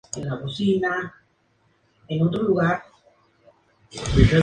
La colocó el club de montaña de Vitoria.